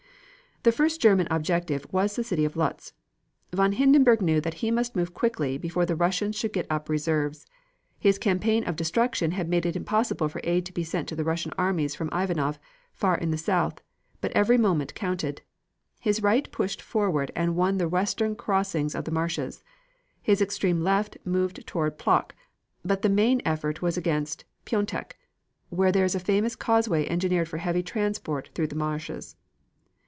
The first German objective was the city of Lodz. Von Hindenburg knew that he must move quickly before the Russians should get up reserves. His campaign of destruction had made it impossible for aid to be sent to the Russian armies from Ivanov, far in the south, but every moment counted. His right pushed forward and won the western crossings of the marshes. His extreme left moved towards Plock, but the main effort was against Piontek, where there is a famous causeway engineered for heavy transport through the marshes.